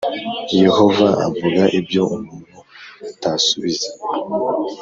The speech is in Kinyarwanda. Yehova avuga ibyo umuntu atasubiza